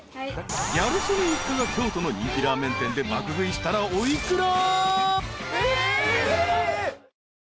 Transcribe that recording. ［ギャル曽根一家が京都の人気ラーメン店で爆食いしたらお幾ら？］